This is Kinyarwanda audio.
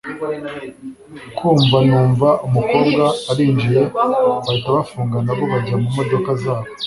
kumva numva umukobwa arinjiye bahita bafunga nabo bajya mumodoka zabo